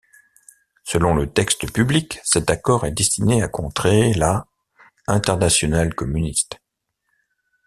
Selon le texte public, cet accord est destiné à contrer la Internationale communiste.